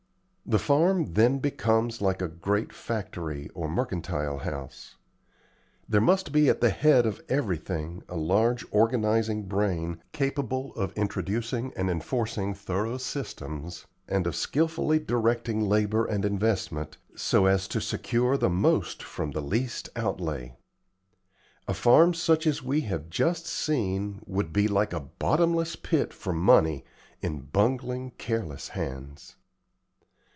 The farm then becomes like a great factory or mercantile house. There must be at the head of everything a large organizing brain capable of introducing and enforcing thorough system, and of skilfully directing labor and investment, so as to secure the most from the least outlay. A farm such as we have just seen would be like a bottomless pit for money in bungling, careless hands."